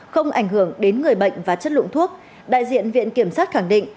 không ảnh hưởng đến người bệnh và chất lượng thuốc đại diện viện kiểm sát khẳng định